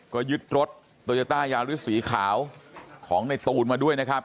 ก็ยึดรถโตโยต้ายาริสสีขาวของในตูนมาด้วยนะครับ